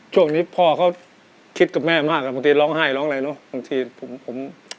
ช่วงนี้พ่อเขาคิดกับแม่มากบางทีร้องไห้ร้องอะไรเนอะบางทีผมผม